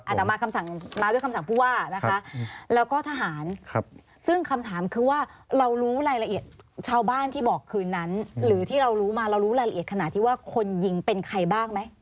อาจจะมาคำสั่งมาด้วยคำสั่งผู้ว่านะคะแล้วก็ทหารซึ่งคำถามคือว่าเรารู้รายละเอียดชาวบ้านที่บอกคืนนั้นหรือที่เรารู้มาเรารู้รายละเอียดขนาดที่ว่าคนยิงเป็นใครบ้างไหม